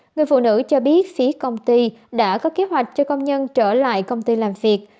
người phụ nữ cho biết phía công ty đã có kế hoạch cho công nhân trở lại công ty làm việc